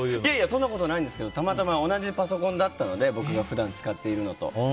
そんなことないんですけどたまたま同じパソコンだったので僕が普段、使っているのと。